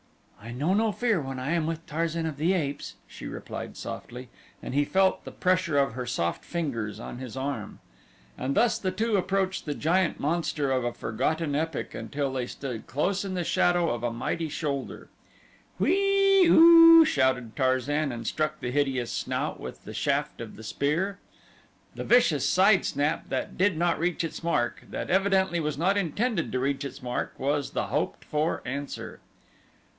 "I know no fear when I am with Tarzan of the Apes," she replied softly, and he felt the pressure of her soft fingers on his arm. And thus the two approached the giant monster of a forgotten epoch until they stood close in the shadow of a mighty shoulder. "Whee oo!" shouted Tarzan and struck the hideous snout with the shaft of the spear. The vicious side snap that did not reach its mark that evidently was not intended to reach its mark was the hoped for answer.